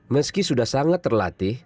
meski sudah sangat terlatih